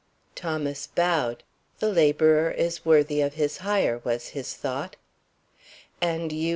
Thomas bowed. "The laborer is worthy of his hire," was his thought. "And you?"